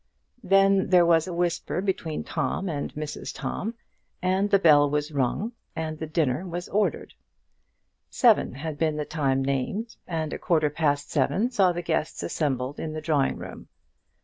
Then there was a whisper between Tom and Mrs Tom and the bell was rung, and the dinner was ordered. Seven had been the time named, and a quarter past seven saw the guests assembled in the drawing room.